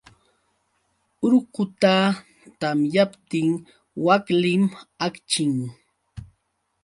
Urquta tamyaptin waklim akchin.